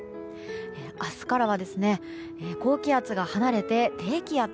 明日からは高気圧が離れて低気圧。